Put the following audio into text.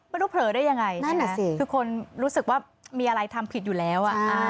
ไม่รู้เผลอได้ยังไงทุกคนรู้สึกว่ามีอะไรทำผิดอยู่แล้ว